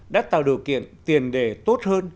đã tạo điều kiện tiền đề tốt hơn